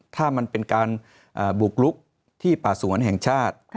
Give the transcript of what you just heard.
ถ้ามันเป็นการบุกลุกที่ป่าสวนแห่งชาติ